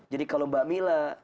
jadi kalau mbak mila